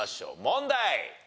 問題！